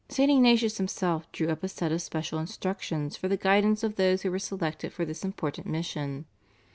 St. Ignatius himself drew up a set of special instructions for the guidance of those who were selected for this important mission.